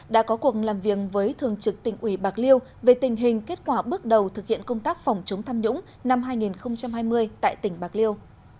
đã có cuộc làm việc với thường trực tỉnh ủy bạc liêu về tình hình kết quả bước đầu thực hiện công tác phòng chống tham nhũng năm hai nghìn hai mươi tại tỉnh bạc liêu